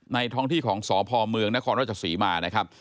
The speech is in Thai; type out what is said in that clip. ในท้องที่ของสพเมืองนรศมานะครับ